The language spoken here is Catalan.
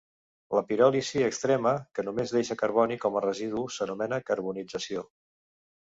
La piròlisi extrema, que només deixa carboni com a residu, s'anomena carbonització.